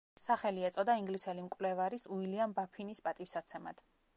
სახელი ეწოდა ინგლისელი მკვლევარის უილიამ ბაფინის პატივსაცემად.